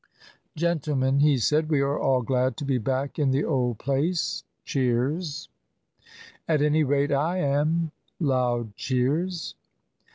"Gentlemen," he said, "we are all glad to be back in the old place," (cheers). "At any rate I am," (loud cheers).